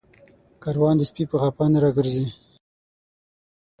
کاروان د سپي په غپا نه راگرځي